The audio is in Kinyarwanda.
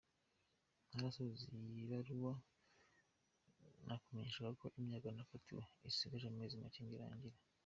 Ntarasoza iyi baruwa, nakumenyeshaga ko imyaka nakatiwe isigaje amezi make ngo irangire.